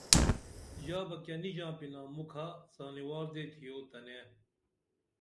ژا بہ کیہ نی ژاپِنا مُکھہ سانیوار دے تِھیو تنے